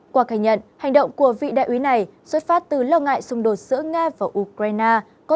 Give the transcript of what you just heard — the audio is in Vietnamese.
qua khai nhận hành động của vị đại úy này xuất phát từ lo ngại xung đột giữa nga và ukraine